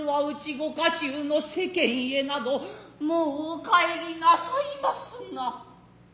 御家中の世間へなどもうお帰りなさいますな。